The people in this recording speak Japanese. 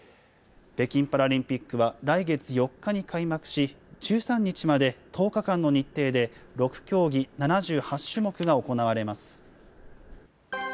北京パラリンピックは来月４日に開幕し、１３日まで１０日間の日程で６競技７８種目が行われます。